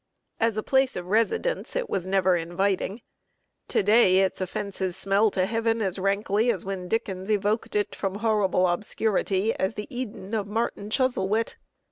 As a place of residence it was never inviting. To day its offenses smell to heaven as rankly as when Dickens evoked it, from horrible obscurity, as the "Eden" of Martin Chuzzlewit.